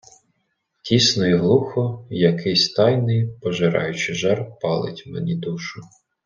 Тісно й глухо, і якийсь тайний, пожираючий жар палить мені душу.